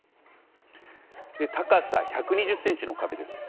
高さ１２０ｃｍの壁です。